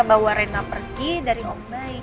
bawa rena pergi dari ombay